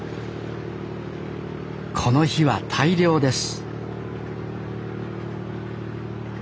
この日は大漁です